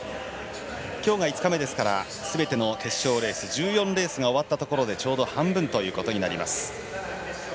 きょうが５日目ですからすべての決勝レース１４レースが終わったところでちょうど半分ということになります。